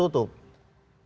jalan untuk itu semua tertutup